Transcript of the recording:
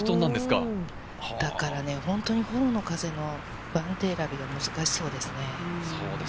だから本当にフォローの風の番手選びが難しそうですね。